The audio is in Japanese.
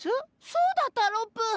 そうだったロプ！